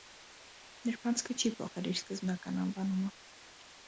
Նրբանցքը չի փոխել իր սկզբնական անվանումը։